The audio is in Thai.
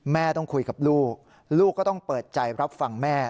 แม่ต้องคุยกับลูกลูกก็ต้องเปิดใจรับฟังแม่